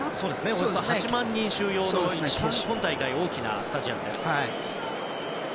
およそ８万人収容の今大会、一番大きなスタジアムです。